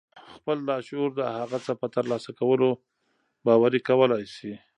خپل لاشعور د هغه څه په ترلاسه کولو باوري کولای شئ.